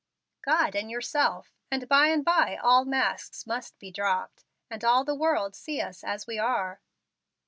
"God and yourself. And by and by all masks must be dropped, and all the world see us as we are."